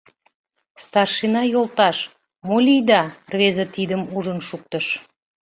— Старшина йолташ, мо лийда?!.. — рвезе тидым ужын шуктыш.